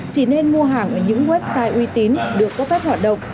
chỉ nên mua hàng ở những website uy tín được cấp phép hoạt động